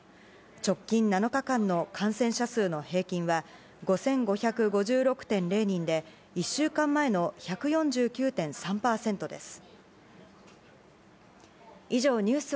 直近７日間の感染者数の平均は、５５５６．０人で、１週間前の１４９．３％です。